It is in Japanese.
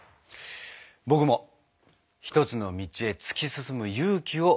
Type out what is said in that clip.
僕も一つの道へ突き進む勇気をもらった気がします。